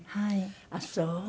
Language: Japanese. ああそう。